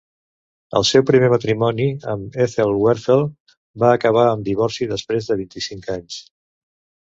El seu primer matrimoni amb Ethel Werfel va acabar en divorci després de vint-i-cinc anys.